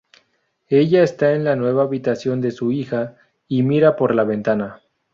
Ella está en la nueva habitación de su hija y mira por la ventana.